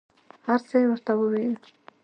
هر څه یې ورته وویل.